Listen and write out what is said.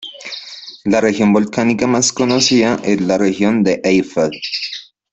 La región volcánica más conocida es la región de Eifel.